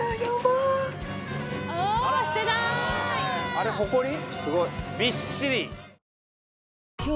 あれホコリ？